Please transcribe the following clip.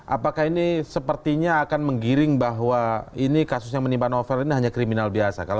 apakah ini sepertinya akan menggiring bahwa ini kasus yang menimpa novel ini hanya kriminal biasa